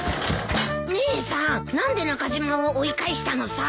姉さん何で中島を追い返したのさ！